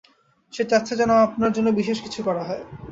সে চাচ্ছে যেন আপনার জন্যে বিশেষ কিছু করা হয়।